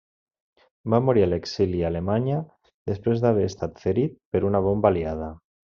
Va morir a l'exili a Alemanya, després d'haver estat ferit per una bomba aliada.